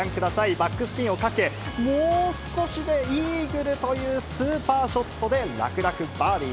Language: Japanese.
バックスピンをかけ、もう少しでイーグルというスーパーショットで楽々バーディー。